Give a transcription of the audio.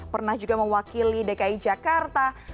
pernah juga mewakili dki jakarta